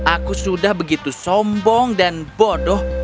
aku sudah begitu sombong dan bodoh